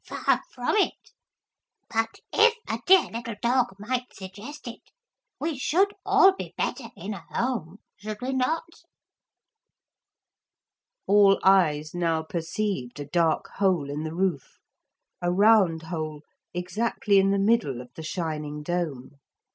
Far from it. But if a dear little dog might suggest it, we should all be better in a home, should we not?' All eyes now perceived a dark hole in the roof, a round hole exactly in the middle of the shining dome.